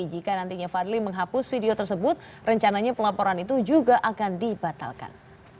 jika nantinya fadli menghapus video tersebut rencananya pelaporan itu juga akan dibatalkan